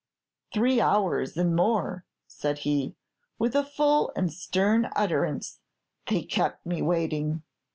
'Three hours and more,' said he, with a full and stern utterance, 'they kept me waiting.